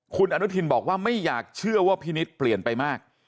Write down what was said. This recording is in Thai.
คุณอนุทินบอกว่าไม่อยากเชื่อว่าพี่นิดเปลี่ยนไปมาก